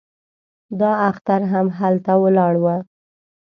دا اختر هم هلته ولاړو.